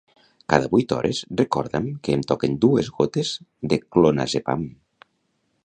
Cada vuit hores recorda'm que em toquen dues gotes de clonazepam.